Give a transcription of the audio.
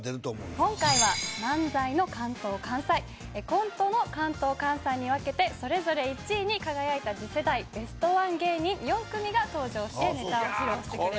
今回は漫才の関東関西コントの関東関西に分けてそれぞれ１位に輝いた次世代ベストワン芸人４組が登場してネタを披露してくれます